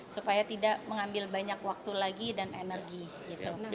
supaya tidak mengambil banyak waktu lagi dan energi gitu